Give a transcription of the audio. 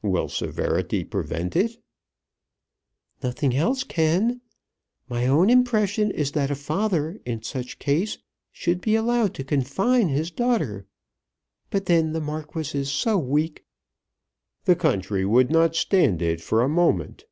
"Will severity prevent it?" "Nothing else can. My own impression is that a father in such case should be allowed to confine his daughter. But then the Marquis is so weak." "The country would not stand it for a moment."